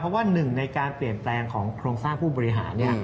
เพราะว่าหนึ่งในการเปลี่ยนแปลงของโครงสร้างผู้บริหาร